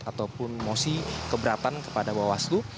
ataupun mosi keberatan kepada bawaslu